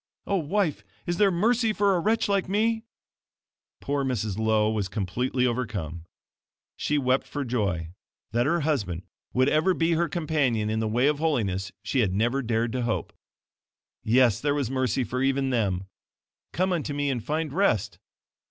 Oh, Wife, is there mercy for a wretch like me?" Poor Mrs. Lowe was completely overcome. She wept for joy. That her husband would ever be her companion in the way of holiness, she had never dared to hope. Yes, there was mercy for even them. "Come unto me, and find rest."